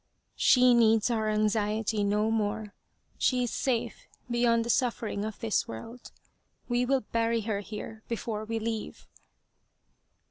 " She needs our anxiety no more. She is safe beyond the suffering of this world. We will bury her here before we leave."